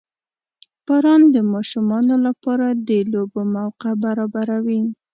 • باران د ماشومانو لپاره د لوبو موقع برابروي.